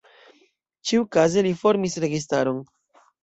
Ĉiukaze li formis registaron.